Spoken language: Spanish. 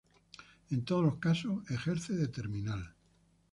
En todos los casos ejerce de terminal.